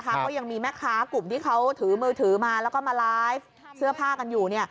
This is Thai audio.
ก็ยังมีแม่ค้ากลุ่มที่เขาถือมือถือมาแล้วก็มาไลฟ์เสื้อผ้ากันอยู่